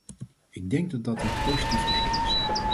Ik denk dat dat een positief teken is.